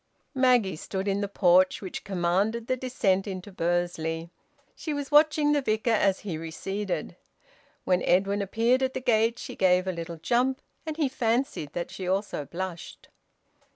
Maggie stood in the porch, which commanded the descent into Bursley; she was watching the Vicar as he receded. When Edwin appeared at the gate, she gave a little jump, and he fancied that she also blushed.